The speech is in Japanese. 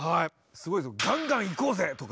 すごいですよ「ガンガンいこうぜ！！」とか。